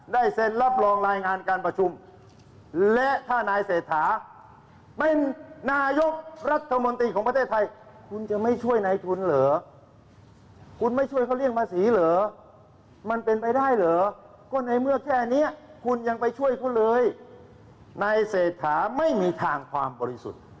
ด้วยก็เลยนายเสธาไม่มีทางความบริสุทธิ์